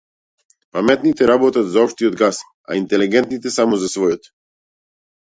Паметните работат за општиот газ, а интелегентните само за својот.